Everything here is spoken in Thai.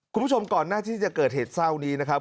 คุณผู้ชมก่อนหน้าที่จะเกิดเหตุเศร้านี้นะครับ